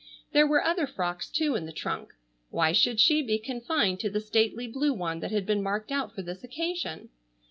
There were other frocks, too, in the trunk. Why should she be confined to the stately blue one that had been marked out for this occasion?